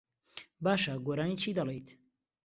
باشە، گۆرانیی چی دەڵێیت؟